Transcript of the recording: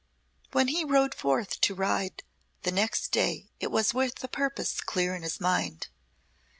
When he went forth to ride the next day it was with a purpose clear in his mind.